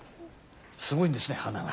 すごいんですね鼻が。